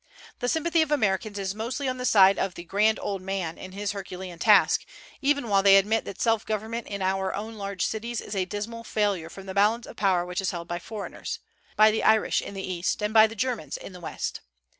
The sympathy of Americans is mostly on the side of the "grand old man" in his Herculean task, even while they admit that self government in our own large cities is a dismal failure from the balance of power which is held by foreigners, by the Irish in the East, and by the Germans in the West.